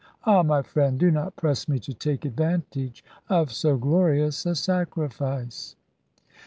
Ah, my friend, do not press me to take advantage of so glorious a sacrifice."